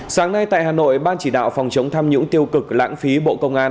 sáng nay tại hà nội ban chỉ đạo phòng chống tham nhũng tiêu cực lãng phí bộ công an